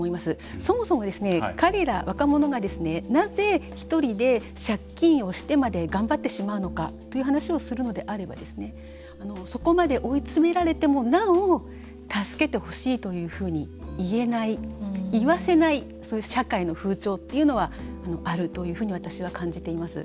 そもそも彼ら、若者がなぜ１人で借金をしてまで頑張ってしまうのかという話をするのであればそこまで追い詰められてもなお助けてほしいというふうに言えない言わせない社会の風潮というのはあるというふうに私は感じています。